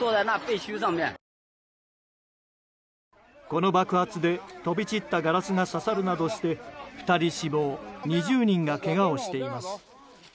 この爆発で飛び散ったガラスが刺さるなどして２人死亡２０人がけがをしています。